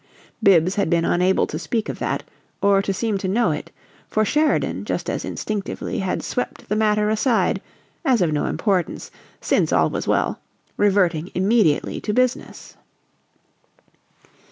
Bibbs had been unable to speak of that, or to seem to know it; for Sheridan, just as instinctively, had swept the matter aside as of no importance, since all was well reverting immediately to business.